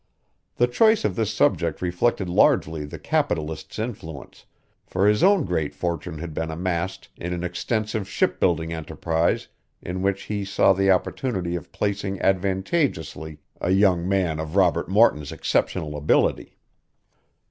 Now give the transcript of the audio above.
The choice of this subject reflected largely the capitalist's influence, for his own great fortune had been amassed in an extensive shipbuilding enterprise in which he saw the opportunity of placing advantageously a young man of Robert Morton's exceptional ability.